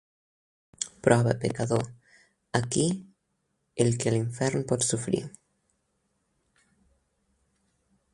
Prova, pecador, aquí, el que a l'infern pots sofrir.